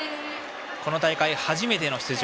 この大会初めての出場